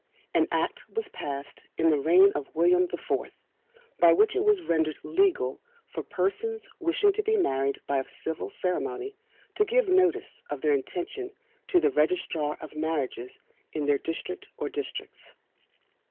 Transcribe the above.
An Act was passed in the reign of William the Fourth, by which it was rendered legal for persons wishing to be married by a civil ceremony, to give notice of their intention to the Registrar of Marriages in their district or districts.